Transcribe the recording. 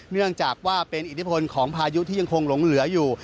เนื่องจากว่าเป็นอิทธิพลของพายุที่ยังคงหลงเหลืออยู่